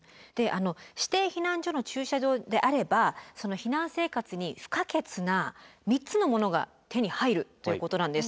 指定避難所の駐車場であれば避難生活に不可欠な３つのものが手に入るということなんです。